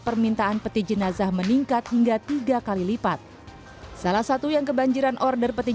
permintaan peti jenazah meningkat hingga tiga kali lipat salah satu yang kebanjiran order peti